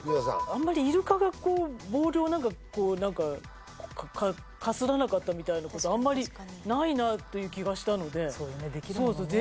あんまりイルカがこうボールを何かこう何かかすらなかったみたいなことあんまりないなという気がしたのでそうよね